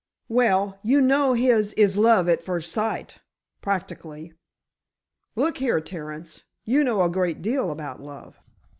"Well, you know his is love at first sight—practically." "Look here, Terence, you know a great deal about love."